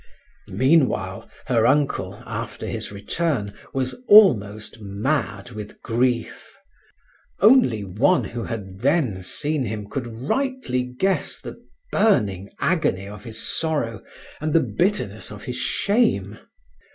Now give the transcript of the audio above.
Meanwhile her uncle, after his return, was almost mad with grief; only one who had then seen him could rightly guess the burning agony of his sorrow and the bitterness of his shame.